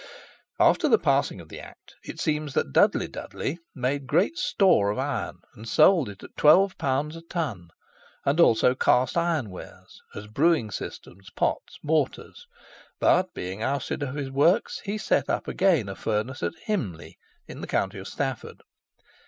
After the passing of the Act, it seems that Dudley Dudley made "great store of iron and sold it at 12 pounds a ton, and also cast iron wares, as brewing cisterns, pots, mortars;" but, being ousted of his works, he again set up a furnace at "Himley, in the county of Stafford."